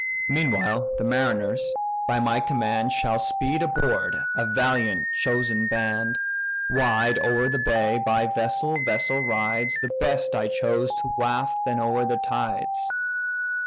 Meanwhile the mariners, by my command, Shall speed aboard, a valiant chosen band. Wide o'er the bay, by vessel vessel rides; The best I choose to waft then o'er the tides."